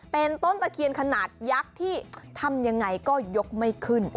เป็นต้นตะเคียนขนาดยักษ์ที่ทำยังไงก็ยกไม่ขึ้น